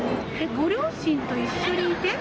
ご両親と一緒にいて？